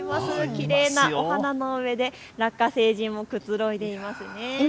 きれいなお花の上でラッカ星人もくつろいでいます。